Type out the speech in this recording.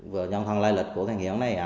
vừa nhân thân lai lịch của thằng hiển này